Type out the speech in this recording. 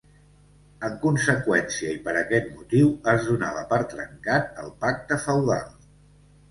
En conseqüència i per aquest motiu es donava per trencat el pacte feudal.